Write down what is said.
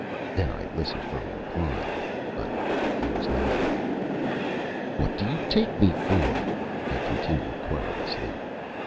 Then I listened for a reply; but there was none. "What do you take me for?" I continued, querulously.